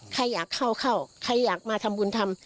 ใครอยากเข้าใครอยากมาทำบุญธรรม